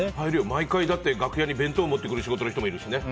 毎回、楽屋に弁当持ってくる仕事の人もいるしね。